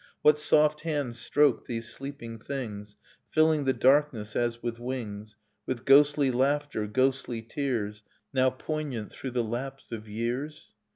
What soft hand stroked these sleeping things, Filling the darkness as with wings, With ghostly laughter, ghostly tears. Now poignant through the lapse of years?